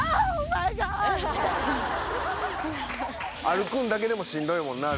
歩くんだけでもしんどいもんな。